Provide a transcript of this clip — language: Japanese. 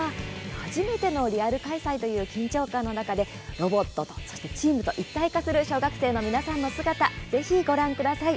初めてのリアル開催という緊張感の中でロボットとチームと一体化して戦う小学生の皆さんの姿ぜひ、ご覧ください。